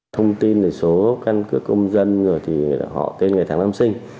thông tin về số căn cước công dân họ tên ngày tháng năm sinh